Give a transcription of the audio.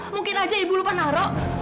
mungkin aja ibu lupa naro